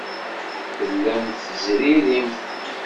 Tellamt tezririmt.